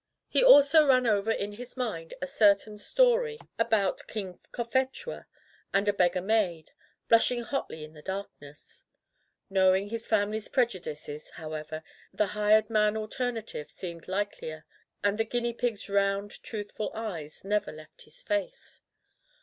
He also ran over in his mind a certain story about Digitized by LjOOQ IC Interventions King Cophetua and a Beggar Maid, blush ing hotly in the darkness. Knowing his family's prejudices, how ever, the hired man alternative seemed like lier — and the guinea pigs' round, truthful eyes never left his face.